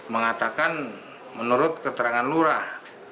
mengatakan menurut keterangan lurah